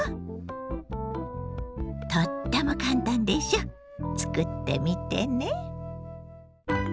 とっても簡単でしょ作ってみてね。